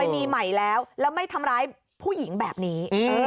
มีใหม่แล้วแล้วไม่ทำร้ายผู้หญิงแบบนี้